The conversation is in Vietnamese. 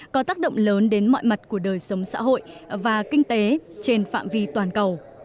có tác động lớn đến mọi mặt của đời sống xã hội và kinh tế trên phạm vi toàn cầu